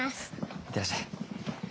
行ってらっしゃい。